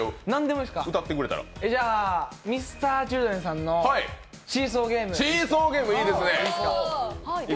じゃあＭｒ．Ｃｈｉｌｄｒｅｎさんの「シーソーゲーム」。